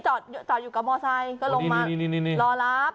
จอดอยู่กับมอไซค์ก็ลงมารอรับ